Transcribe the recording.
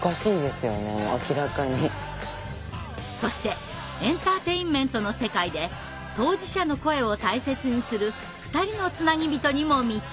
そしてエンターテインメントの世界で当事者の“声”を大切にする２人のつなぎびとにも密着。